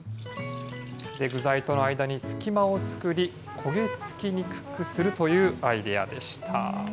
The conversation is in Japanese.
具材との間に隙間を作り、焦げ付きにくくするというアイデアでした。